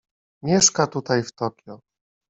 "Mieszka tutaj w Tokio."